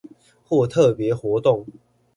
或特別活動